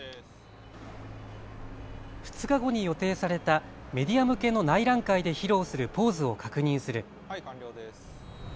２日後に予定されたメディア向けの内覧会で披露するポーズを確認する。